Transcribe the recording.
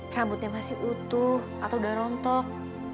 rambutnya masih utuh atau udah rontok